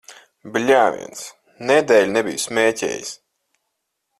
Bļāviens! Nedēļu nebiju smēķējis.